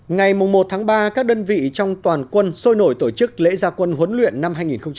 ngày một ba các đơn vị trong toàn quân sôi nổi tổ chức lễ gia quân huấn luyện năm hai nghìn một mươi chín